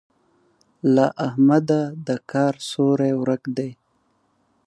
له احمده د کار سوری ورک دی.